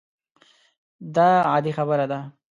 دا عادي خبره ده.